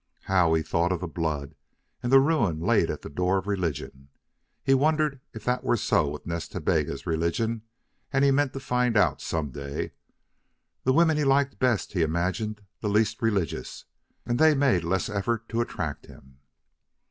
How he thought of the blood and the ruin laid at the door of religion! He wondered if that were so with Nas Ta Bega's religion, and he meant to find out some day. The women he liked best he imagined the least religious, and they made less effort to attract him.